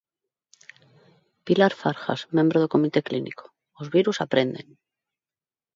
Pilar Farjas, membro do comité clínico: Os virus aprenden.